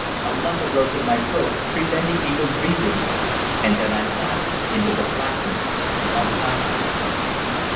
A lump arose in my throat, preventing me from breathing. And then I lapsed into the blackness of unconsciousness.